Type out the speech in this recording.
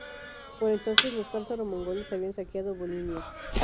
Por entonces, los tártaro-mongoles habían saqueado Volinia.